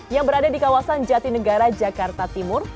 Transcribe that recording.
yang berada di kawasan jati negara jakarta timur